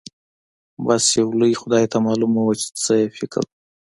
بس يو لوی خدای ته معلومه وه چې څه يې فکر و.